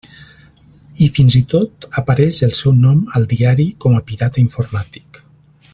I fins i tot apareix el seu nom al diari com a pirata informàtic.